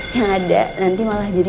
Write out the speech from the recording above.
yang ada nanti malah jadi